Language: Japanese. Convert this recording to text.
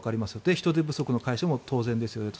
人手不足の解消も当然ですよねと。